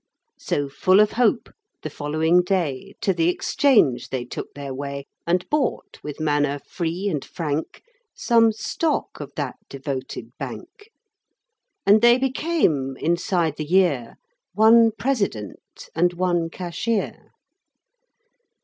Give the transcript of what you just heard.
So, full of hope, the following day To the exchange they took their way And bought, with manner free and frank, Some stock of that devoted bank; And they became, inside the year, One President and one Cashier.